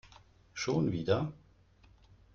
Schon wieder?